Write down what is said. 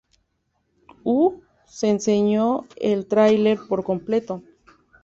U", se enseñó el tráiler por completo.